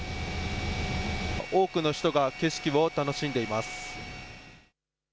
多くの人が景色を楽しんでいます。